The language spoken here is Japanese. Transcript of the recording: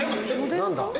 何だ？